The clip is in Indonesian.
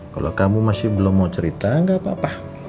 kalo kamu masih belum mau cerita gak apa apa